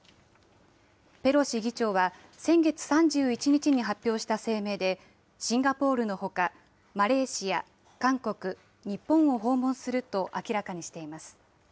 ペロシ議長は、先月３１日に発表した声明で、シンガポールのほか、マレーシア、韓国、日本を訪問すると明らかにしています。